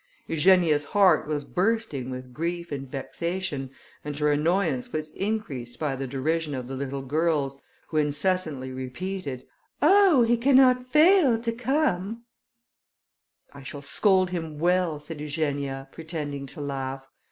Eugenia's heart was bursting with grief and vexation, and her annoyance was increased by the derision of the little girls, who incessantly repeated, "Oh! he cannot fail to come." "I shall scold him well," said Eugenia, pretending to laugh.